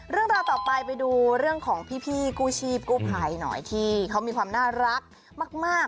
เรื่องราวต่อไปไปดูเรื่องของพี่กู้ชีพกู้ภัยหน่อยที่เขามีความน่ารักมาก